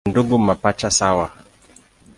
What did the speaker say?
Ni ndugu mapacha sawa.